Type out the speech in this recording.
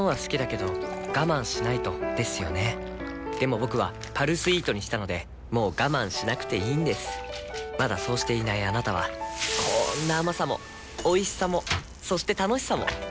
僕は「パルスイート」にしたのでもう我慢しなくていいんですまだそうしていないあなたはこんな甘さもおいしさもそして楽しさもあちっ。